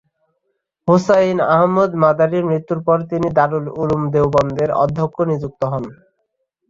হুসাইন আহমদ মাদানির মৃত্যুর পর তিনি দারুল উলুম দেওবন্দের অধ্যক্ষ নিযুক্ত হন।